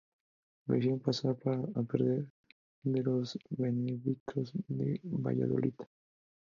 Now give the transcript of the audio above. Lo hicieron pasar a depender de los benedictinos de Valladolid.